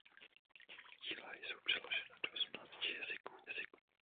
Její díla jsou přeložena do osmnácti jazyků.